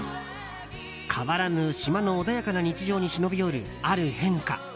変わらぬ島の穏やかな日常に忍び寄る、ある変化。